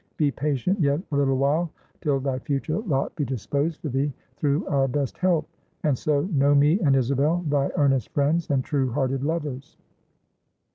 Be patient yet a little while, till thy future lot be disposed for thee, through our best help; and so, know me and Isabel thy earnest friends and true hearted lovers."